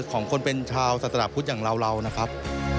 ของคนเป็นชาวศาสนาพุทธอย่างเรานะครับ